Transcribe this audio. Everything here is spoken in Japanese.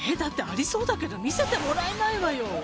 ありそうだけど見せてもらえないわよ